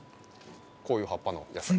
こういう葉っぱのやつ。